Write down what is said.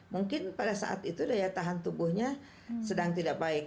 mungkin pada saat itu daya tahan tubuhnya sedang tidak baik